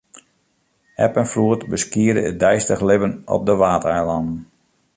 Eb en floed beskiede it deistich libben op de Waadeilannen.